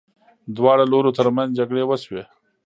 دواړو لورو ترمنځ جګړې وشوې.